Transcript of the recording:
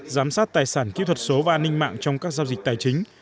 giám sát tài sản kỹ thuật số và an ninh mạng trong các giao dịch tài chính